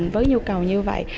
với nhu cầu như vậy